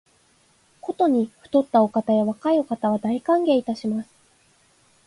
ことに肥ったお方や若いお方は、大歓迎いたします